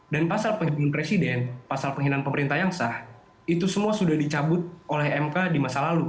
dan pasal penghinaan presiden pasal penghinaan pemerintah yang sah itu semua sudah dicabut oleh mk di masa lalu